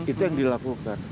itu yang dilakukan